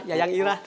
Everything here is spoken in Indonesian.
ya yang irah